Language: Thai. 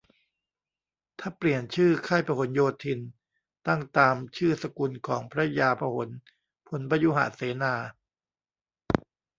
ถ้าเปลี่ยนชื่อ "ค่ายพหลโยธิน" ตั้งตามชื่อสกุลของพระยาพหลพลพยุหเสนา